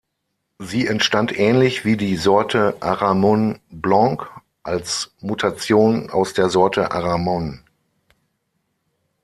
Sie entstand ähnlich wie die Sorte Aramon Blanc als Mutation aus der Sorte Aramon.